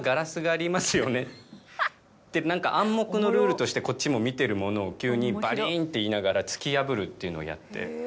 何か暗黙のルールとしてこっちも見てるものを急に「バリーン‼」って言いながら突き破るっていうのをやって。